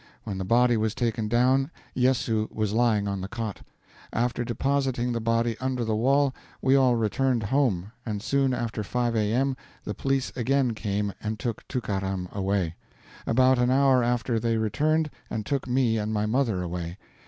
When the body was taken down, Yessoo was lying on the cot. After depositing the body under the wall, we all returned home, and soon after 5 a.m. the police again came and took Tookaram away. About an hour after they returned and took me and my mother away.